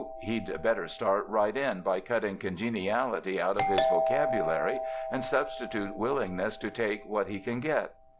He'd better start right in by cutting 'congeniality' out of his vocabulary and substitute willingness to take what he can get.